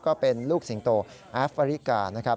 ก็เป็นลูกสิงโตแอฟริกานะครับ